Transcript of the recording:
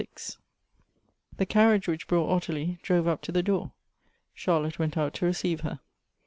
THE caiTiage whicli brought Ottilie drove up to the door. Charlotte went out to receive her.